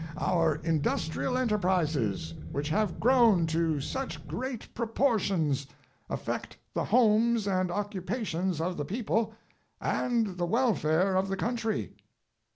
Our industrial enterprises which have grown to such great proportions affect the homes and occupations of the people and the welfare of the country.